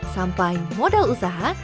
sampai modal usaha